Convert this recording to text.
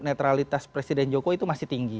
netralitas presiden jokowi itu masih tinggi